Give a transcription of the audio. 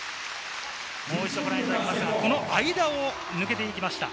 もう一度ご覧いただきましょう。